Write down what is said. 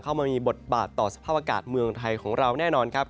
เข้ามามีบทบาทต่อสภาพอากาศเมืองไทยของเราแน่นอนครับ